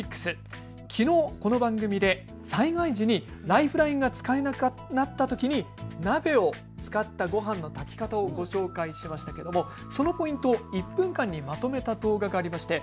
きのうこの番組で災害時にライフラインが使えなくなったときの鍋を使ったごはんの炊き方をご紹介しましたけれども実はそのポイントを１分間にまとめた動画がありました。